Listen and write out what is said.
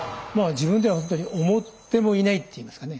自分ではほんとに思ってもいないっていいますかね